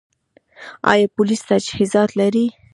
آیا پولیس تجهیزات لري؟